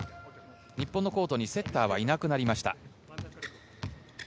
日本のコートにセッターはいなくなりました。